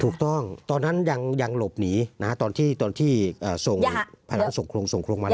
ถูกต้องตอนนั้นยังหลบหนีนะฮะตอนที่ส่งภายหลังส่งโครงมาเลย